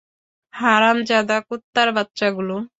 হারামজাদা কুত্তার বাচ্চাগুলো!